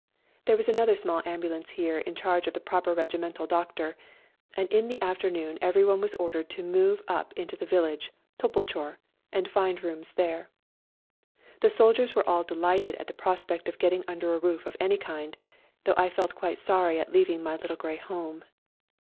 There was another small ambulance here in charge of the proper regimental A RIDE TO KALABAC 61 doctor, and in the afternoon everyone was ordered to move up into the village, Topolchor, and find rooms there. The soldiers were all delighted at the prospect of getting under a roof of any kind, though I felt quite sorry at leaving my Little Grey Home.